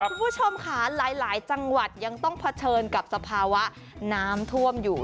คุณผู้ชมค่ะหลายจังหวัดยังต้องเผชิญกับสภาวะน้ำท่วมอยู่